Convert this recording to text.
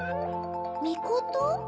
みこと？